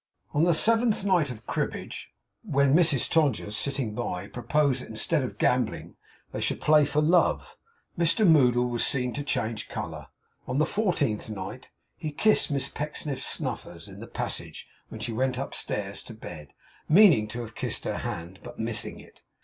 On the seventh night of cribbage, when Mrs Todgers, sitting by, proposed that instead of gambling they should play for 'love,' Mr Moddle was seen to change colour. On the fourteenth night, he kissed Miss Pecksniff's snuffers, in the passage, when she went upstairs to bed; meaning to have kissed her hand, but missing it.